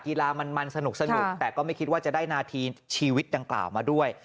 กีฬามันสนุกแต่ก็ไม่คิดว่าจะได้นาทีชีวิตดังกล่าวมาด้วย